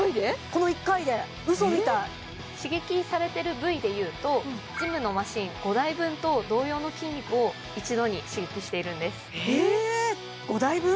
この１回でうそみたい刺激されてる部位でいうとジムのマシン５台分と同様の筋肉を一度に刺激しているんです５台分？